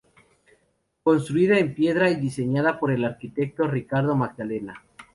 Construida en piedra y diseñada por el arquitecto Ricardo Magdalena.